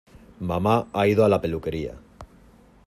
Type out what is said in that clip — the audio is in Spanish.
Mama ha ido a la peluquería.